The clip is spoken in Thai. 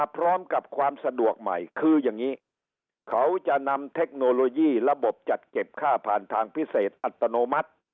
ตอนนี้เขาจะเปิดขึ้นเพื่อให้มีปกติแบบนึง